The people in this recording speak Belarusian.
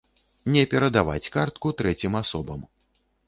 Не перадаваць картку трэцім асобам.